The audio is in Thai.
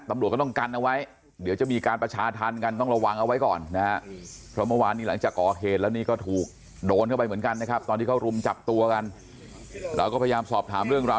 แม่เพื่อน